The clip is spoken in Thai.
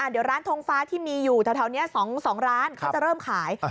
เดี๋ยวร้านทงฟ้าที่มีอยู่แถวนี้๒ร้านเขาจะเริ่มขาย